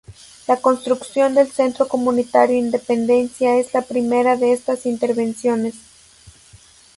La construcción del Centro Comunitario Independencia es la primera de estas intervenciones.